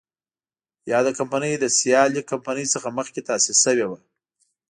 یاده کمپنۍ له سیالې کمپنۍ څخه مخکې تاسیس شوې وه.